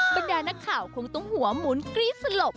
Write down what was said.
บรรดานักข่าวคงต้องหัวหมุนกรี๊ดสลบ